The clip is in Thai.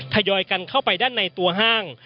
ทยอยกันเข้าไปด้านในตัวห้าง